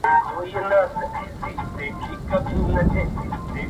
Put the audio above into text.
• دي روح کي اغښل سوی دومره_